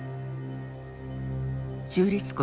中立国